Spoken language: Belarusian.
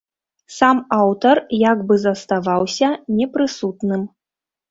Сам аўтар як бы заставаўся непрысутным.